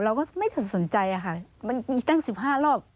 เราก็ไม่ถึงสนใจค่ะมันมีตั้ง๑๕รอบ